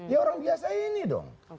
ya orang biasa ini dong